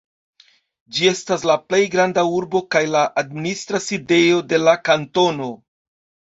Ĝi estas la plej granda urbo kaj la administra sidejo de la kantono.